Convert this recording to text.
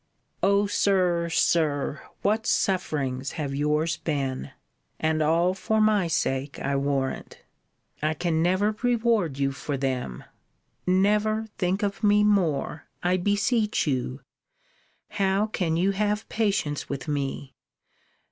O Sir, Sir! What sufferings have yours been! And all for my sake, I warrant! I can never reward you for them! Never think of me more I beseech you How can you have patience with me?